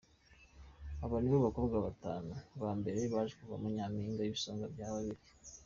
Aba nibo bakobwa batanu ba mbere baje kuvamo Nyampinga n'ibisonga bye bibiri.